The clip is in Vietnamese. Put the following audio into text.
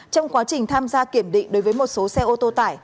trong quá trình tham gia kiểm định đối với một số xe ô tô tải